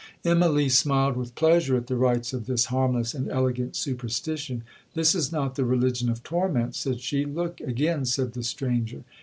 'Immalee smiled with pleasure at the rites of this harmless and elegant superstition. 'This is not the religion of torment,' said she.—'Look again,' said the stranger.